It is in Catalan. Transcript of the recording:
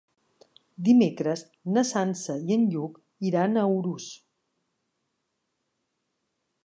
Dimecres na Sança i en Lluc iran a Urús.